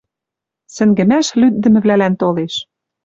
Сӹнгӹмӓш лӱддӹмвлӓлӓн толеш